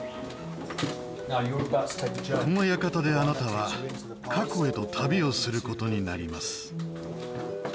この館であなたは過去へと旅をする事になります。